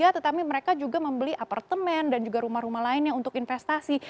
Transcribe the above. tetapi mereka juga membeli apartemen dan juga rumah rumah lainnya untuk investasi